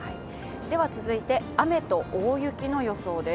続いて、雨と大雪の予想です。